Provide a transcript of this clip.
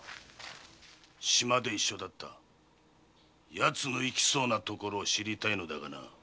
奴の行きそうな所を知りたいのだがな。